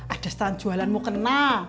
ada stan jualan mukena